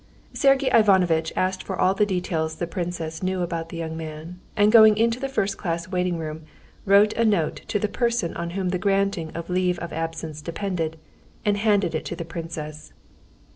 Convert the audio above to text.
Sergey Ivanovitch asked for all the details the princess knew about the young man, and going into the first class waiting room, wrote a note to the person on whom the granting of leave of absence depended, and handed it to the princess.